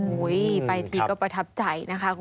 ไปทีก็ประทับใจนะคะคุณผู้ชน